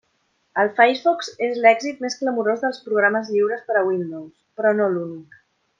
El Firefox és l'èxit més clamorós dels programes lliures per a Windows, però no l'únic.